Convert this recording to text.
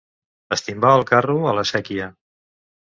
Estimbà el carro a la séquia.